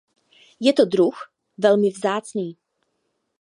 Je to druh velmi vzácný.